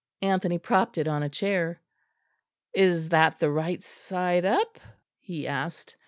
Anthony propped it on a chair. "Is that the right side up?" he asked.